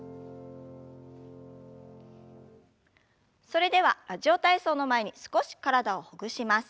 それでは「ラジオ体操」の前に少し体をほぐします。